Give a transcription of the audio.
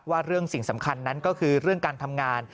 ว่าเรื่องสิ่งสำคัญนั้นก็คือเรื่องการทำงาน